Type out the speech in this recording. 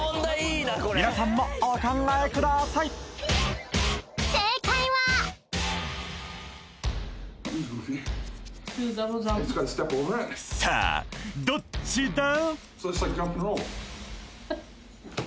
みなさんもお考えくださいさあどっちだ？